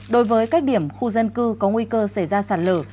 đối với các điểm khu dân cư có nguy cơ xảy ra sản lửa